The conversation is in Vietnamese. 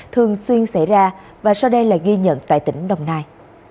thường xuyên xảy ra và sau đây là ghi nhận tại tỉnh đồng nai